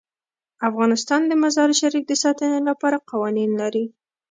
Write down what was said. افغانستان د مزارشریف د ساتنې لپاره قوانین لري.